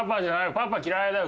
パパ嫌いだよ。